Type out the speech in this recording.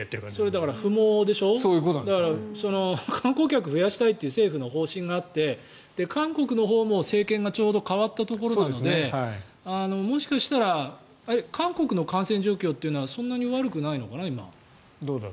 だから不毛でしょ観光客を増やしたいという政府の方針があって韓国のほうも政権がちょうど代わったところなのでもしかしたら韓国の感染状況っていうのはそんなに悪くないのかな今は。